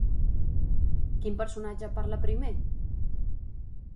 Quin personatge parla primer?